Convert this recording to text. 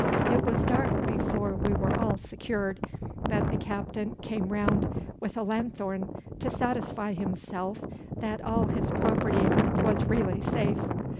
It was dark before we were all secured, but the captain came round with a lanthorn to satisfy himself that all his property was really safe.